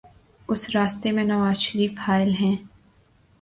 اس راستے میں نوازشریف حائل ہیں۔